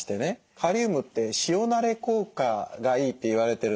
カリウムって塩なれ効果がいいって言われてるんです。